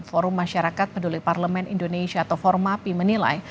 forum masyarakat peduli parlemen indonesia atau formapi menilai